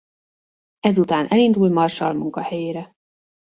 Ezután elindul Marshall munkahelyére.